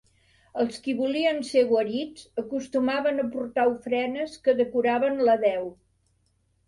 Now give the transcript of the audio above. Els qui volien ser guarits acostumaven a portar ofrenes que decoraven la deu.